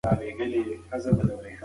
ځینې خلک خوږ کچالو غوره بولي.